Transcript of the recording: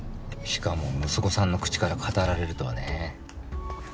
しかも息子さんの口から語られるとはね。